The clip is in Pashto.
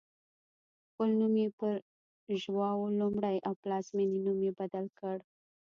خپل نوم یې پر ژواو لومړی او پلازمېنې نوم یې بدل کړ.